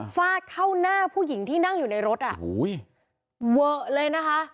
ฟาดเข้าหน้าผู้หญิงที่นั่งอยู่ในรถอ่ะโอ้โหเวอะเลยนะคะ